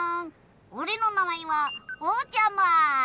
おれのなまえはおじゃま。